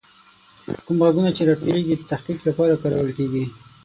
کوم غږونه چې راټولیږي، د تحقیق لپاره کارول کیږي.